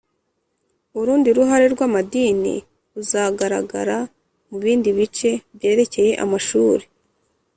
urundi ruhare rw'amadini ruzagaragara mu bindi bice byerekeye amashuri